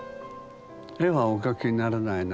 絵はお描きにならないの？